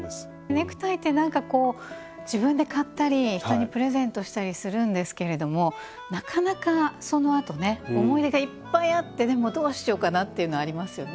ネクタイってなんかこう自分で買ったり人にプレゼントしたりするんですけれどもなかなかそのあとね思い出がいっぱいあってでもどうしようかなっていうのありますよね。